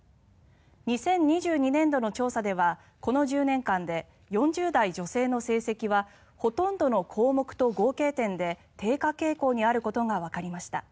２０２２年度の調査ではこの１０年間で４０代女性の成績はほとんどの項目と合計点で低下傾向にあることがわかりました。